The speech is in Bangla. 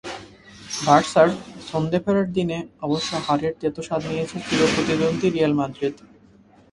বার্সার ছন্দে ফেরার দিনে অবশ্য হারের তেতো স্বাদ নিয়েছে চিরপ্রতিদ্বন্দ্বী রিয়াল মাদ্রিদ।